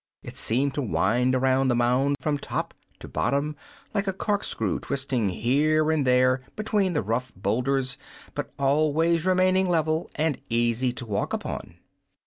It seemed to wind around the mound from top to bottom, like a cork screw, twisting here and there between the rough boulders but always remaining level and easy to walk upon.